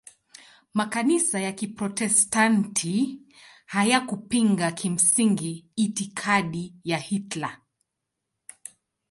Makanisa ya Kiprotestanti hayakupinga kimsingi itikadi ya Hitler.